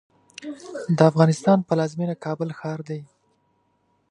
د افغانستان پلازمېنه کابل ښار دی.